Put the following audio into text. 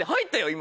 今。